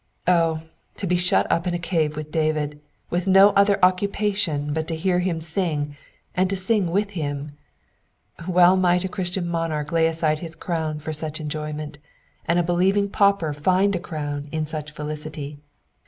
Oh, to be shut up in a cave with David, with no other occupation but to hear him sing, and to sing with him ! Well might a Christian monarch lay aside his crown for such enjoyment, and a believing pauper find a crown in such felicity.